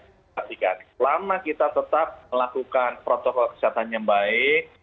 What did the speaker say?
selama kita tetap melakukan protokol kesehatan yang baik